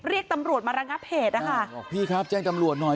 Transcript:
เรียกตำรวจมาระงับเหตุนะคะบอกพี่ครับแจ้งตำรวจหน่อย